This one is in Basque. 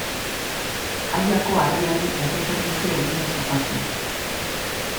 Aiako Harriari erreferentzia eginez akaso.